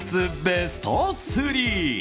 ベスト３。